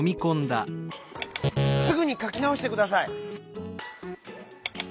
「すぐにかきなおしてください」。